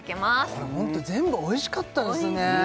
これホント全部おいしかったですね